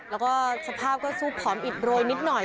แล้วก็สภาพก็ซูบผอมอิดโรยนิดหน่อย